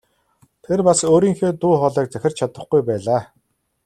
Тэр бас өөрийнхөө дуу хоолойг захирч чадахгүй байлаа.